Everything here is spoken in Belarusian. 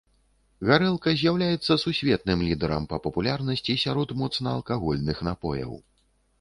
Гарэлка з'яўляецца сусветным лідарам па папулярнасці сярод моцнаалкагольных напояў.